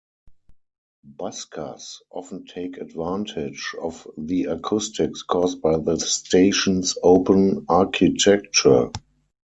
Buskers often take advantage of the acoustics caused by the station's open architecture.